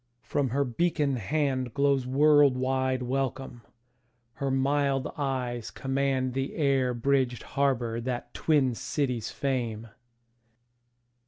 From her beacon handGlows world wide welcome; her mild eyes commandThe air bridged harbour that twin cities frame.